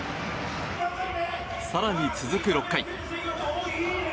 更に続く６回。